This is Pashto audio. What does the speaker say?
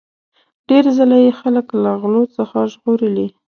ډیر ځله یې خلک له غلو څخه ژغورلي.